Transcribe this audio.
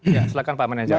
ya silakan pak manager